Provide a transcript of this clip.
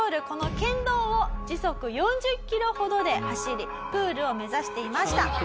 この県道を時速４０キロほどで走りプールを目指していました。